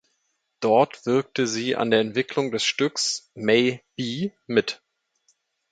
Dort wirkte sie an der Entwicklung des Stücks "May B" mit.